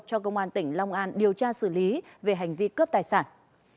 cho công an tỉnh long an điều tra xử lý về hành vi cướp tài sản